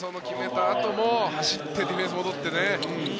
その決めたあとも走ってディフェンスに戻って。